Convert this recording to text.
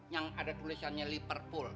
yang ada tulisannya liverpool